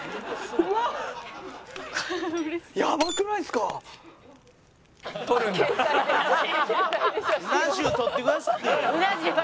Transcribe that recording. うな重撮ってくださいよ。